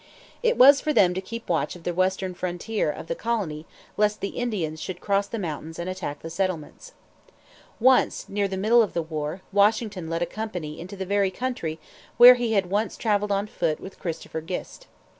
It was for them to keep watch of the western frontier of the colony lest the Indians should cross the mountains and attack the settlements. Once, near the middle of the war, Washington led a company into the very country where he had once traveled on foot with Christopher Gist.